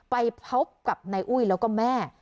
ไปพบกับนายอุ้ยแล้วก็แม่